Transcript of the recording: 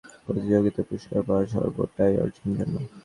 সিম্বার চোখে দেখা আর এই প্রতিযোগিতায় পুরুষ্কার পাওয়া, সবটাই অর্জুনের জন্য।